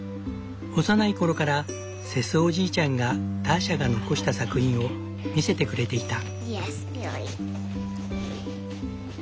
幼い頃からセスおじいちゃんがターシャが残した作品を見せてくれていた。